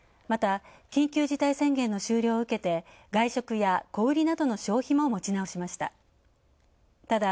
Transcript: また緊急事態宣言の終了を受けて外食や小売などの消費も持ち直しました。